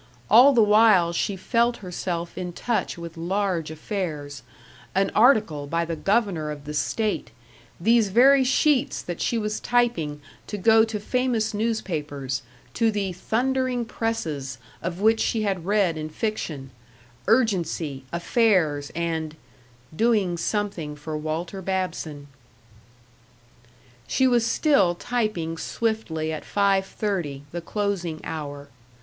All the while she felt herself in touch with large affairs an article by the Governor of the State; these very sheets that she was typing to go to famous newspapers, to the "thundering presses" of which she had read in fiction; urgency, affairs, and doing something for Walter Babson. She was still typing swiftly at five thirty, the closing hour.